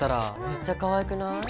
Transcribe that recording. めっちゃかわいい！